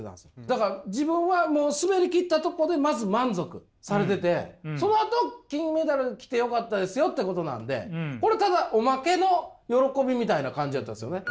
だから自分はもう滑り切ったとこでまず満足されててそのあと金メダル来てよかったですよってことなんでこれただオマケの喜びみたいな感じやったんですよね。